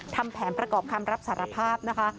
ทำแผนประกอบคำรับสารภาพนะคะ